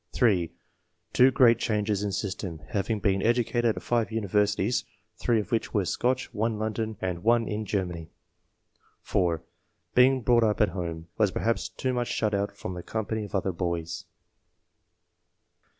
(3) "Too great changes in system, having been educated at 5 universities (3 of which were Scotch, 1 London, and 1 in Germany)." (4) "Being brought up at home; was per haps too much shut out from the company of other boys."